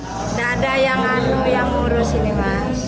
tidak ada yang ngurus ini mas